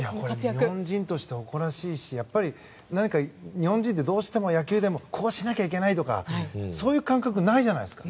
日本人として誇らしいし何か日本人ってどうしても野球でもこうしなきゃいけないとかそういう感覚がないじゃないですか。